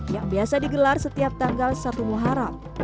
yang biasa digelar setiap tanggal satu muharam